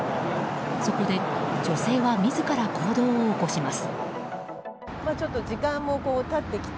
そこで女性は自ら行動を起こします。